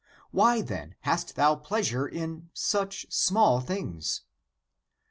Why, then, hast thou pleasure in such small things?"